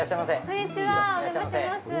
こんにちは、お邪魔します。